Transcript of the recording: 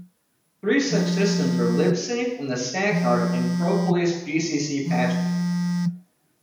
Three such systems are Libsafe, and the "StackGuard" and "ProPolice" gcc patches.